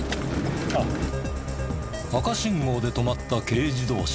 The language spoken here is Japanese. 赤信号で止まった軽自動車。